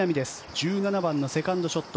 １７番のセカンドショット。